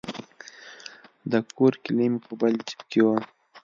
د کور کیلي مې په بل جیب کې وه.